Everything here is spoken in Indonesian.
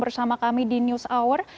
bersama kami di news hour